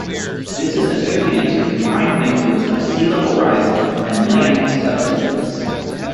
This is attributed to the combined influence of sea-level rise and land subsidence.